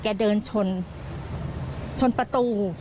แกเดินชนประตู